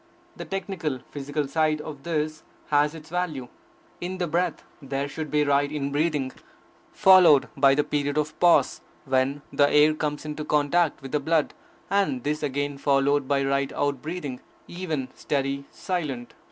The technical, physical side of this has its value. In the breath, there should be right inbreathing, followed by the period of pause, when the air comes into contact with the blood, and this again followed by right outbreathing, even, steady, silent.